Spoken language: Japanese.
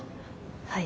はい。